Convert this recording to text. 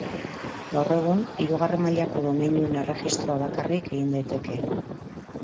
Gaur egun, hirugarren mailako domeinuen erregistroa bakarrik egin daiteke.